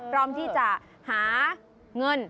พร้อมที่จะหาเงิน